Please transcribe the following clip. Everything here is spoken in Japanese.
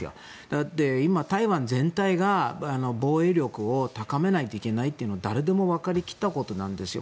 だって今、台湾全体が防衛力を高めなきゃいけないというのは誰でも分かりきったことなんですよ。